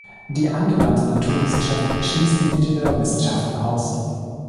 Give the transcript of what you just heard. Die angewandte Naturwissenschaft schließt die Ingenieurwissenschaften aus.